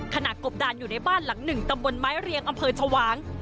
กบดานอยู่ในบ้านหลังหนึ่งตำบลไม้เรียงอำเภอชวาง